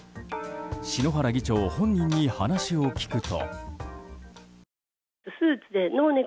篠原議長本人に話を聞くと。